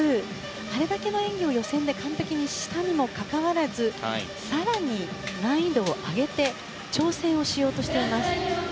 あれだけの演技を予選で完璧にしたにもかかわらず更に、難易度を上げて挑戦をしようとしています。